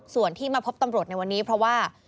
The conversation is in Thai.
ส่วนที่มาพบตำรวจในวันนี้เพราะว่า